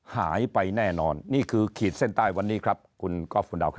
หายไปแน่นอนนี่คือขีดเส้นใต้วันนี้ครับคุณครับ